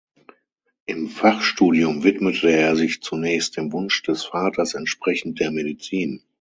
Im Fachstudium widmete er sich zunächst dem Wunsch des Vaters entsprechend der Medizin.